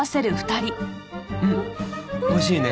うん美味しいね！